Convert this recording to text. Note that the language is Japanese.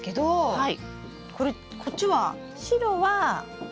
はい。